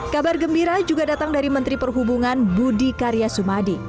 kabar gembira juga datang dari menteri perhubungan budi karya sumadi